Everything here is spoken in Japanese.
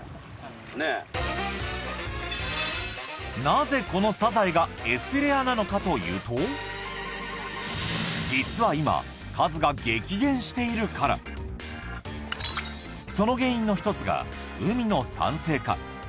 なぜこのサザエがＳレアなのかというと実は今数が激減しているからその原因の一つが海の酸性化